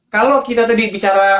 kalau kita tadi bicara